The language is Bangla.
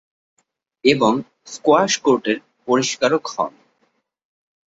এবং স্কোয়াশ কোর্টের পরিষ্কারক হন।